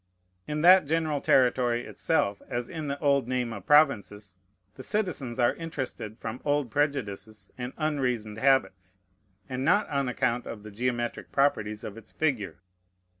In that general territory itself, as in the old name of Provinces, the citizens are interested from old prejudices and unreasoned habits, and not on account of the geometric properties of its figure.